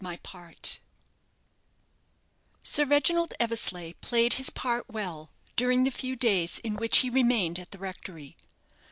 Sir Reginald Eversleigh played his part well during the few days in which he remained at the rectory.